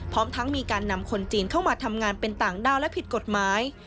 พร้อมทั้งมีการนำคนจีนเข้ามาทำงานเป็นต่างด้าวและผิดกฎหมาย